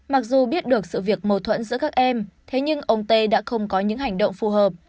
mặc dù biết được sự việc mâu thuẫn giữa các em thế nhưng ông tây đã không có những hành động phù hợp